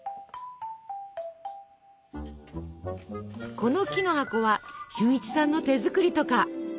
この木の箱は俊一さんの手作りとか。